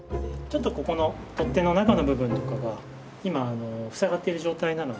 ちょっとここの取っ手の中の部分とかが今あの塞がっている状態なので。